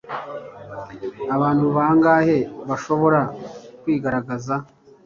abantu bangahe bashobora kwigaragaza